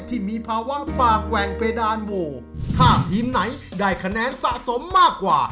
ที่มีภาวะปากแหว่งเพดานโวถ้าทีมไหนได้คะแนนสะสมมากกว่า